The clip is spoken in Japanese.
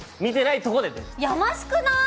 やましくない？